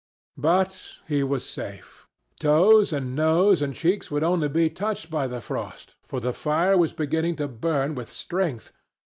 But he was safe. Toes and nose and cheeks would be only touched by the frost, for the fire was beginning to burn with strength.